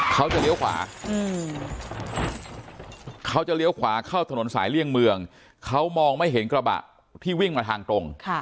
เขาจะเลี้ยวขวาเขาจะเลี้ยวขวาเข้าถนนสายเลี่ยงเมืองเขามองไม่เห็นกระบะที่วิ่งมาทางตรง